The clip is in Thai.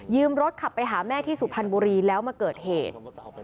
ยืมรถขับไปหาแม่ที่สุพันธ์บุรีแล้วเกิดเหตุ